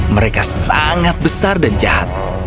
mereka sangat besar dan jahat